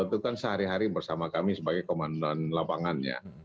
itu kan sehari hari bersama kami sebagai komandan lapangannya